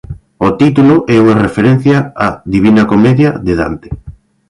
O título é unha referencia a "Divina Comedia" de Dante.